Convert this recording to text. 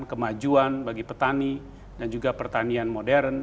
kemajuan bagi petani dan juga pertanian modern